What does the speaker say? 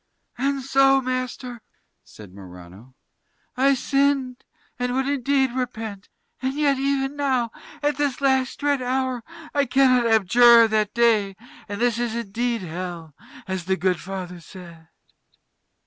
"And so, master," said Morano, "I sinned, and would indeed repent, and yet even now at this last dread hour I cannot abjure that day; and this is indeed Hell, as the good father said."